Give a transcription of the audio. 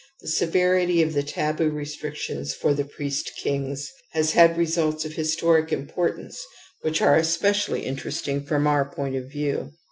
lifi severity of the taboo restrictions for the priest kings has had re sults of historic importance which are especially interesting from our point of view.